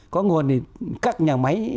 có nguồn thì các nhà máy